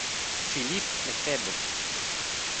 Philippe Lefebvre